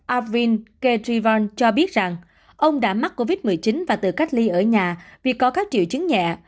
arvind k trivand cho biết rằng ông đã mắc covid một mươi chín và tự cách ly ở nhà vì có các triệu chứng nhẹ